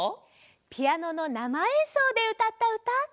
ピアノのなまえんそうでうたったうた。